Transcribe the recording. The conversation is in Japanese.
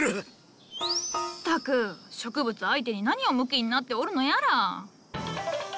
ったく植物相手に何をムキになっておるのやら。